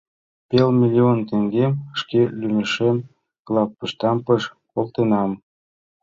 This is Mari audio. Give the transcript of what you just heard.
Пел миллион теҥгем шке лӱмешем главпочтамтыш колтенам.